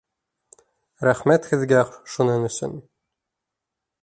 Рәхмәт һеҙгә шуның өсөн.